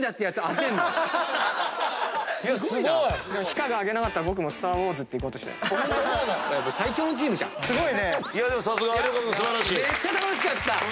めっちゃ楽しかった！